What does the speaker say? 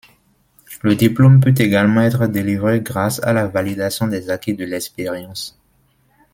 Le diplôme peut également être délivré grâce à la validation des acquis de l’expérience.